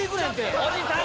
おじさん